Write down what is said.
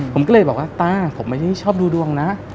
ผมก็เลยบอกว่าตาผมไม่ได้ชอบดูดวงนะ